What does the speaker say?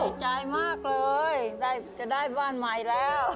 ดีใจมากเลยจะได้บ้านใหม่แล้ว